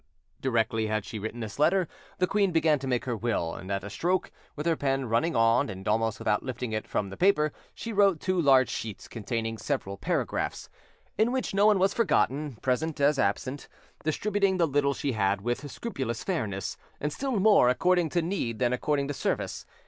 Directly she had written this letter the queen began to make her will, and at a stroke, with her pen running on and almost without lifting it from the paper, she wrote two large sheets, containing several paragraphs, in which no one was forgotten, present as absent, distributing the little she had with scrupulous fairness, and still more according to need than according to service.